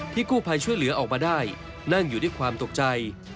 กู้ภัยช่วยเหลือออกมาได้นั่งอยู่ด้วยความตกใจ